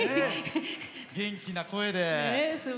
元気な声で。